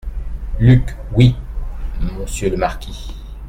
Luc - Oui , monsieur le marquis.